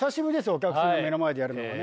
お客さんの目の前でやるのはね。